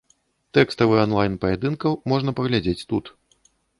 Тэкставы анлайн паядынкаў можна паглядзець тут.